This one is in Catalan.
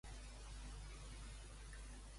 Quan es va crear l'altar?